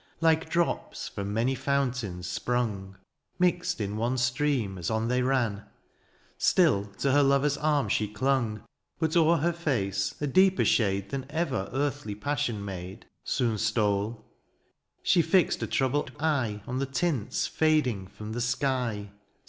Like drops from many foimtains sprang^ Mixed in one stream as on they ran : Still to her lover^s arm she clung. But o^er her face a deeper shade Than ever earthly passion made Soon stole — she fixed a troubled eye On the tints fading from the sky.